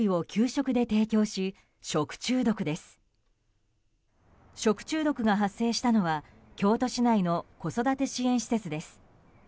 食中毒が発生したのは京都市内の子育て支援施設です。